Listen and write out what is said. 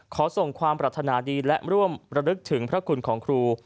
ขอส่งความปรัฐนาดีและร่วมระลึกถึงพระคุณของครู